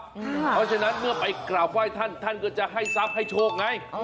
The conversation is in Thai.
เพราะฉะนั้นเมื่อไปกราบไหว้ท่านท่านก็จะให้ทรัพย์ให้โชคไง